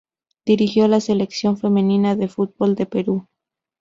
Dirigió la Selección femenina de fútbol de Perú.